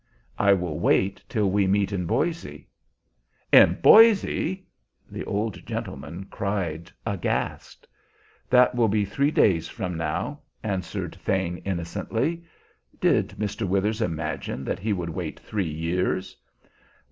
"I will wait till we meet in Boise." "In Boise!" the old gentleman cried, aghast. "That will be three days from now," answered Thane innocently. Did Mr. Withers imagine that he would wait three years!